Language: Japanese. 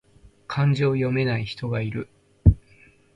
漢字を読めない人がいる